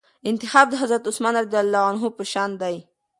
انتخاب د حضرت عثمان رضي الله عنه په شان دئ.